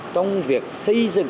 trong việc xây dựng